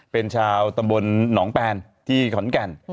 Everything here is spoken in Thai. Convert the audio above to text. เป็นชาวตำบลหนองแปนที่ขอนแก่น